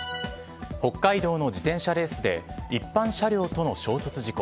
北海道の自転車レースで一般車両との衝突事故。